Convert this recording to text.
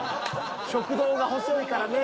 食道が細いからね。